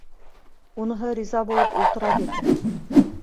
Уныһы риза булып ултыра бирҙе.